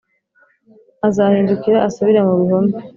Azahindukira asubire mu bihome